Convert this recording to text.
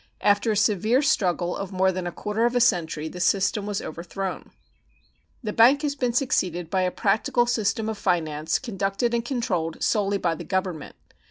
After a severe struggle of more than a quarter of a century, the system was overthrown. The bank has been succeeded by a practical system of finance, conducted and controlled solely by the Government.